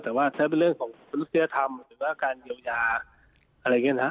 แต่ว่าถ้าเป็นเรื่องของประสุทธิธรรมหรือว่าการเยียวยาอะไรอย่างนี้นะครับ